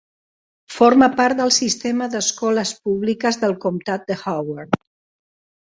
Forma part del sistema d'escoles públiques del comtat de Howard.